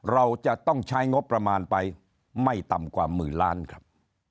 เราจะต้องใช้งบประมาณไปไม่ต่ำกว่าหมื่นล้านครับ